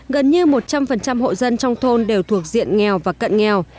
gần như một trăm linh hộ dân trong thôn đều thuộc diện nghèo và cận nghèo